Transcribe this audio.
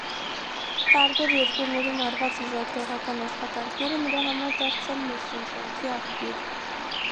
Տարբեր երկրներում արված լրագրողական աշխատանքները նրա համար դարձան ներշնչանքի աղբյուր։